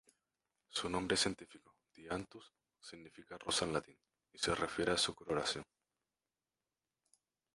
Su nombre científico, "dianthus", significa rosa en latín y se refiere a su coloración.